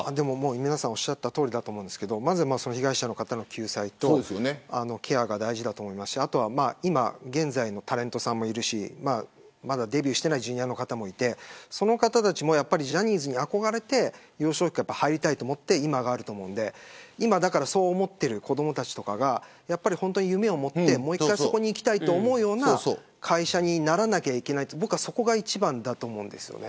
皆さんおっしゃったとおりだと思うんですけどまず被害者の方の救済とケアが大事だと思いますしあとは今、現在のタレントさんもいるしまだデビューしていないジュニアの方もいてその方たちもジャニーズに憧れて幼少期から入りたいと思って今があると思うので今そう思っている子どもたちとかが夢を持って、もう１回そこに行きたいと思うよな会社にならなきゃいけないとそこが一番だと思うんです。